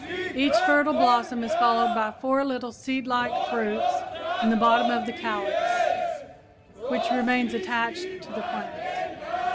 Each fertile blossom is followed by four little seedlike fruits in the bottom of the calyx, which remains attached to the plant.